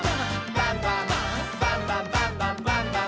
バンバン」「バンバンバンバンバンバン！」